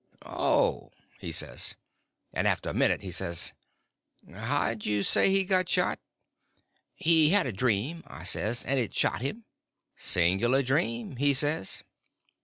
"Oh," he says. And after a minute, he says: "How'd you say he got shot?" "He had a dream," I says, "and it shot him." "Singular dream," he says.